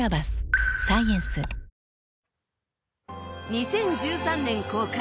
２０１３年公開